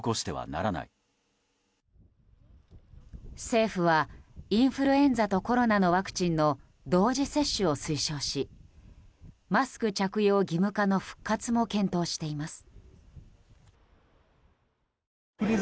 政府はインフルエンザとコロナのワクチンの同時接種を推奨しマスク着用義務化の復活も検討しています。